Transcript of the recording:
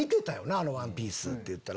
あのワンピース」って言ったら。